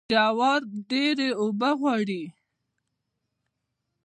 جوار ډیرې اوبه غواړي.